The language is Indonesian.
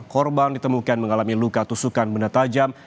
korban ditemukan mengalami luka tusukan benda tajam